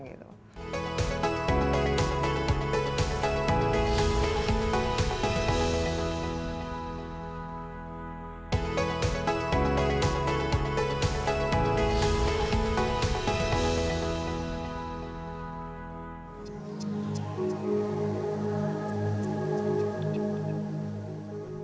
masih ada yang menanggung